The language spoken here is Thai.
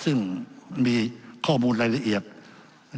ซึ่งมีข้อมูลละเอียดนะครับ